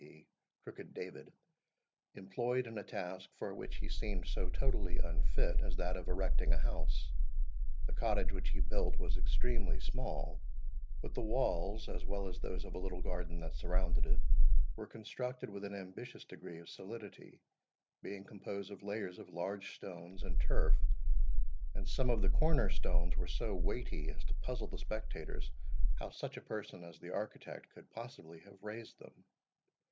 e. Crooked David) employed in a task, for which he seemed so totally unfit, as that of erecting a house. The cottage which he built was extremely small, but the walls, as well as those of a little garden that surrounded it, were constructed with an ambitious degree of solidity, being composed of layers of large stones and turf; and some of the corner stones were so weighty, as to puzzle the spectators how such a person as the architect could possibly have raised them.